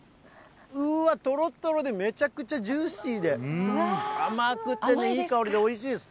うわっ、とろとろでめちゃくちゃジューシーで、甘くてね、いい香りでおいしいです。